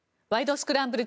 スクランブル」